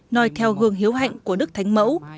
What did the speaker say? nói theo hương hiếu hạnh của đức thánh mẫu